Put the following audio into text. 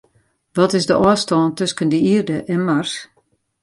Wat is de ôfstân tusken de Ierde en Mars?